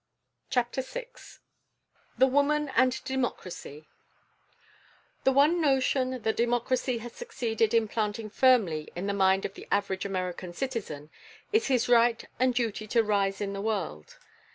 CHAPTER VI THE WOMAN AND DEMOCRACY The one notion that democracy has succeeded in planting firmly in the mind of the average American citizen is his right and duty to rise in the world.